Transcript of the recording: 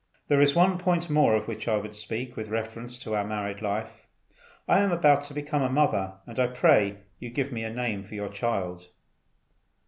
There is one point more of which I would speak, with reference to our married life. I am about to become a mother, and I pray you give me a name for your child."